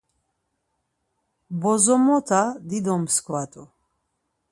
Bozomota dido mskva t̆u.